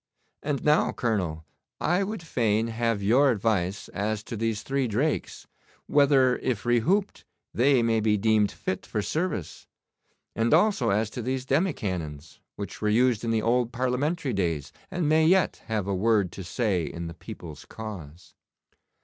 And now, Colonel, I would fain have your advice as to these three drakes, whether if rehooped they may be deemed fit for service; and also as to these demi cannons, which were used in the old Parliamentary days, and may yet have a word to say in the people's cause.